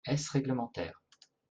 Est-ce réglementaire?